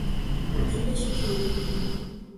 tempestivo